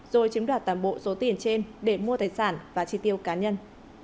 rồi chiếm đoạt toàn bộ số tiền trên để mua tài sản và chi tiêu cá nhân